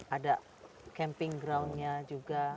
ada camping ground nya juga